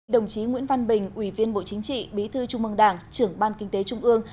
đồng chí nguyễn văn bình ủy viên bộ chính trị bí thư trung mương đảng trưởng ban kinh tế trung ương